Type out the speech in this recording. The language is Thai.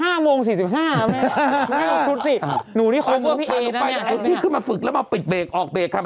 เอ็นจี้ขึ้นมาฝึกแล้วเอาเบรคออกเบรคค่ะ